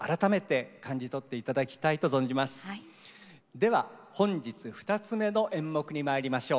では本日２つ目の演目にまいりましょう。